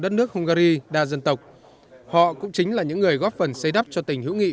đất nước hungary đa dân tộc họ cũng chính là những người góp phần xây đắp cho tình hữu nghị